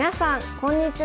こんにちは。